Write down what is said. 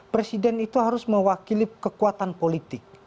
presiden itu harus mewakili kekuatan politik